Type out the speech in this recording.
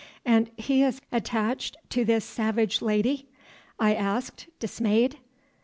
"And is he attached to this savage lady?" I asked dismayed.